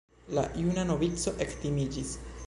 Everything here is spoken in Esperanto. La juna novico ektimiĝis.